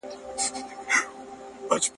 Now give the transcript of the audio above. دا کار اثر ته علمي بڼه ورکوي.